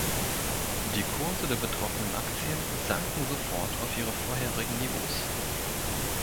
Die Kurse der betroffenen Aktien sanken sofort auf ihre vorherigen Niveaus.